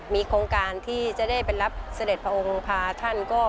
มีโครงการที่จะได้ไปรับเสด็จพระองค์พาท่าน